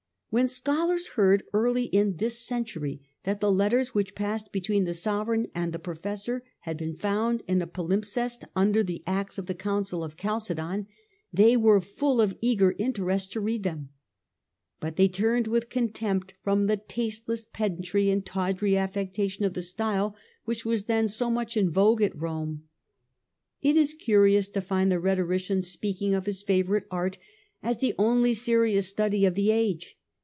When scholars heard early in this cen tury that the letters which passed between the sove reign and the professor had been found in a palimpsest under the Acts of the Council of Chalcedon, they were full of eager interest to read them ; but they soon turned with contempt from the tasteless pedantry and tawdry affectation of the style which was then so much in vogue at Rome. It is curious to find the rhetorician speaking of CH. VIII. The Literary Currents of the Age, 183 his favourite art as the only serious study of the age.